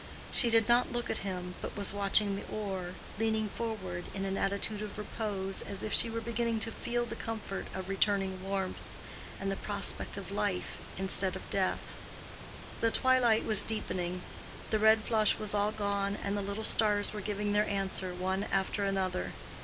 She did not look at him, but was watching the oar, leaning forward in an attitude of repose, as if she were beginning to feel the comfort of returning warmth and the prospect of life instead of death. The twilight was deepening; the red flush was all gone and the little stars were giving their answer one after another.